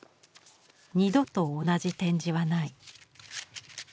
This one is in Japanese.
二度と同じ展示はない。